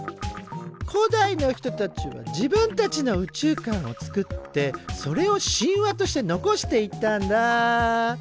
古代の人たちは自分たちの宇宙観を作ってそれを神話として残していったんだ。